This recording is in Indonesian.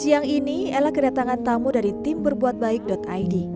siang ini ella kedatangan tamu dari tim berbuatbaik id